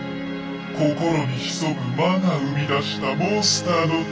心に潜む魔が生み出したモンスターの戦い